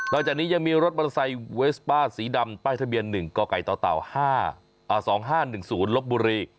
จากนี้ยังมีรถมอเตอร์ไซค์เวสป้าสีดำป้ายทะเบียน๑กกต๕๒๕๑๐ลบบุรี